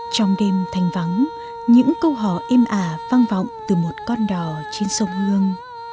trong đêm thanh vắng những câu hò êm ả vang vọng từ một con đò trên sông hương